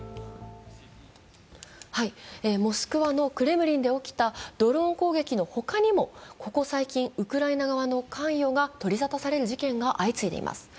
モスクワのクレムリンで起きたドローン攻撃の他にもここ最近、ウクライナ側の関与が取りざたされる事件が相次いでいます。